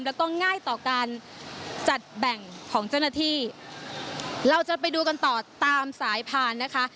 แล้วก็ง่ายต่อการจัดแบ่งของเจ้าหน้าที่เราจะไปดูกันต่อตามสายพานนะคะ